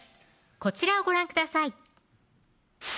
こちらをご覧ください